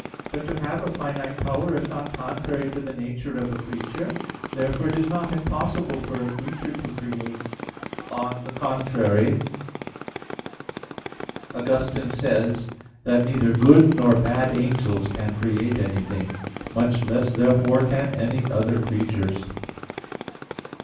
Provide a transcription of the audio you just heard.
But to have a finite power is not contrary to the nature of a creature. Therefore it is not impossible for a creature to create. On the contrary, Augustine says (De Trin. iii, 8) that neither good nor bad angels can create anything. Much less therefore can any other creatures.